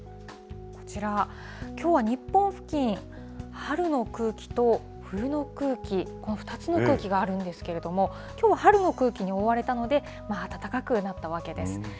こちら、きょうは日本付近、春の空気と冬の空気、この２つの空気があるんですけれども、きょうは春の空気に覆われたので、暖かくなったわけです。